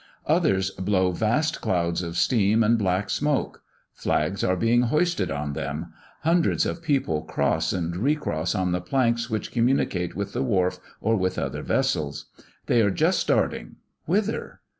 Others blow vast clouds of steam and black smoke; flags are being hoisted on them, hundreds of people cross and recross on the planks which communicate with the wharf or with other vessels. They are just starting whither?